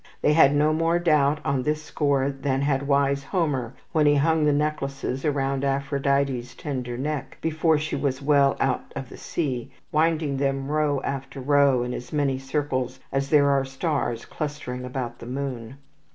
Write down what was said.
They had no more doubt on this score than had wise Homer when he hung the necklaces around Aphrodite's tender neck before she was well out of the sea, winding them row after row in as many circles as there are stars clustering about the moon.